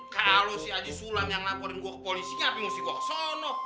kalo si aji sulam yang laporin gua ke polisi ngapain mesti gua kesono